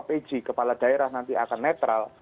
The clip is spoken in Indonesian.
pj kepala daerah nanti akan netral